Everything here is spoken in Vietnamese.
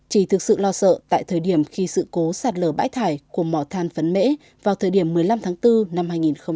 chỉ thực sự lo sợ tại thời điểm khi sự cố sạt lở bãi thải của mỏ than phấn mễ vào thời điểm một mươi năm tháng bốn năm hai nghìn hai mươi